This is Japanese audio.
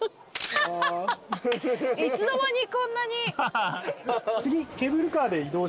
いつの間にこんなに。